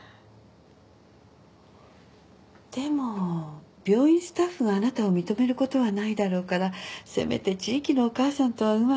でも病院スタッフがあなたを認めることはないだろうからせめて地域のお母さんとはうまくやってちょうだい。